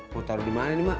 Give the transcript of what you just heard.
mau taruh di mana nih mak